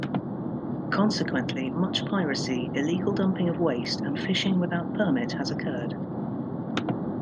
Consequently, much piracy, illegal dumping of waste and fishing without permit has occurred.